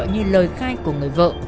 như lời khai của người vợ